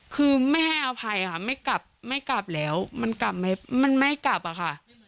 คือไม่ให้อภัยค่ะไม่กลับไม่กลับแล้วมันกลับไหมมันไม่กลับอะค่ะ